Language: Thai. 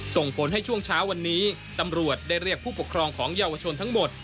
ส่งผลให้ช่วงเช้าวันนี้ตำรวจได้เรียกผู้ปกครองของเยาวชนทั้งหมด